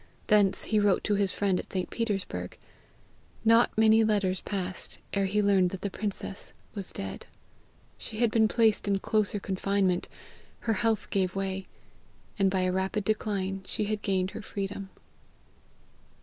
Thence he wrote to his friend at St. Petersburg. Not many letters passed ere he learned that the princess was dead. She had been placed in closer confinement, her health gave way, and by a rapid decline she had gained her freedom.